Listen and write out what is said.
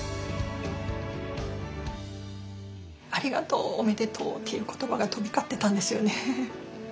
「ありがとう」「おめでとう」という言葉が飛び交ってたんですよね。